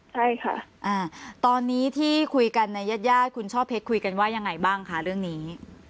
ใช่ค่ะตอนนี้ที่คุยกันในญาติญาติคุณช่อเพชรคุยกันว่ายังไงบ้างคะเรื่องนี้